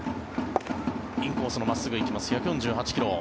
インコースの真っすぐ行きます１４８ｋｍ。